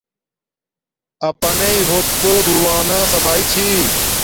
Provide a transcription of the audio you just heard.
اپانݵیݵ ہوت پوہ دور وانا صفایݵ چھی